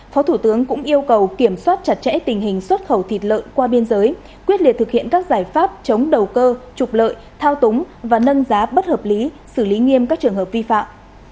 phó thủ tướng cũng yêu cầu kiểm soát chặt chẽ tình hình xuất khẩu thịt lợn qua biên giới quyết liệt thực hiện các giải pháp chống đầu cơ trục lợi thao túng và nâng giá bất hợp lý xử lý nghiêm các trường hợp vi phạm